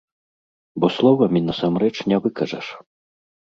Бо словамі насамрэч не выкажаш.